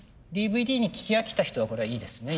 ＤＶＤに聴き飽きた人はこれはいいですね